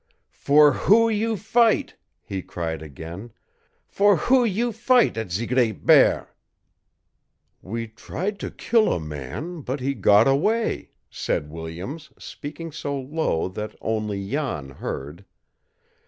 "For who you fight?" he cried again. "For who you fight at ze Great Bear?" "We tried to kill a man, but he got away," said Williams, speaking so low that only Jan heard.